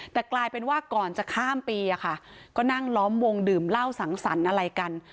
แต่กลายเป็นว่าก่อนจะข้ามปีอะค่ะก็นั่งล้อมวงดื่มเหล้าสังสรรค์อะไรกัน